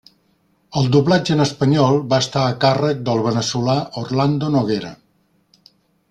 El doblatge en espanyol va estar a càrrec del veneçolà Orlando Noguera.